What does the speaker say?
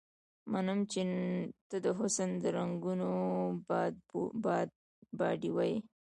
منم چې ته د حسن د رنګونو باډيوه يې